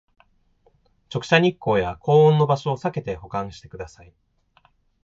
直射日光や高温の場所をさけて保管してください